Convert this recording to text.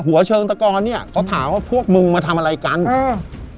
หัวเชิงตะกอนเนี้ยเขาถามว่าพวกมึงมาทำอะไรกันอืม